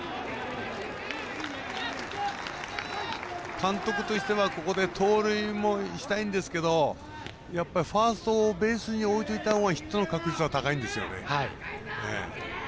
監督としてはここで盗塁もしたいんですけどファーストをベースに置いといたほうがヒットの確率は高いんですよね。